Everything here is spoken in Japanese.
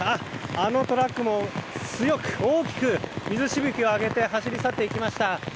あのトラックも強く大きく水しぶきを上げて走り去っていきました。